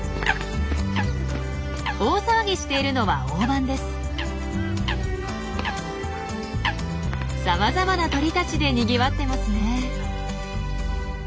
大騒ぎしているのはさまざまな鳥たちでにぎわってますね。